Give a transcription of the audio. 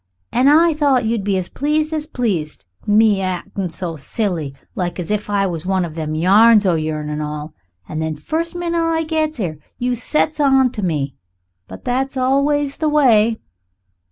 An' I thought you'd be as pleased as pleased me actin' so silly, like as if I was one of them yarns o' yourn an' all. And then first minute I gets 'ere, you sets on to me. But that's always the way."